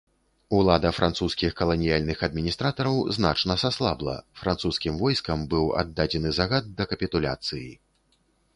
Улада французскіх каланіяльных адміністратараў значна саслабла, французскім войскам быў аддадзены загад да капітуляцыі.